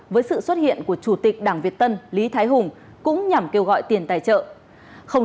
với sự xuất hiện của chủ tịch đảng việt tân lý thái hùng cũng nhằm kêu gọi tiền tài trợ